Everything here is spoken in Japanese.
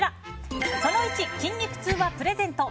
その１、筋肉痛はプレゼント。